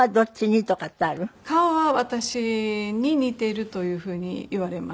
顔は私に似てるという風に言われますよく。